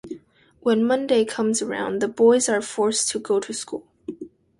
When Monday comes around, the boys are forced to go to school.